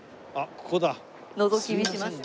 のぞき見しました。